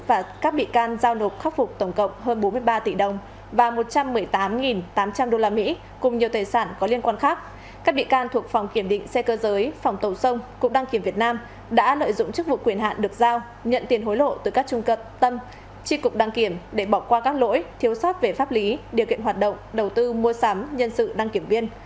một trăm một mươi tám tám trăm linh usd cùng nhiều tài sản có liên quan khác các bị can thuộc phòng kiểm định xe cơ giới phòng tàu sông cục đăng kiểm việt nam đã nội dụng chức vụ quyền hạn được giao nhận tiền hối lộ từ các trung cận tâm trí cục đăng kiểm để bỏ qua các lỗi thiếu sót về pháp lý điều kiện hoạt động đầu tư mua sắm nhân sự đăng kiểm viên